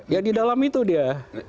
ya di dalam itu dia